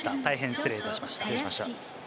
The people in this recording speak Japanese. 失礼いたしました。